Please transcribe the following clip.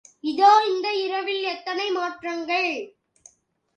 இதோ, இந்த இரவில் எத்தனை மாற்றங்கள்.